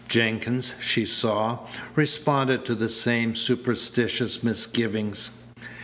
Jenkins, she saw, responded to the same superstitious misgivings.